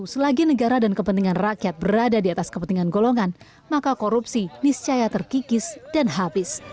selagi negara dan kepentingan rakyat berada di atas kepentingan golongan maka korupsi niscaya terkikis dan habis